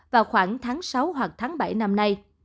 vào khoảng tháng sáu hoặc tháng bảy năm nay